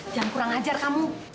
jangan kurang ajar kamu